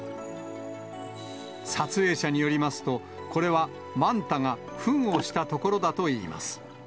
撮影者によりますと、これは、マンタがふんをしたところだといいます。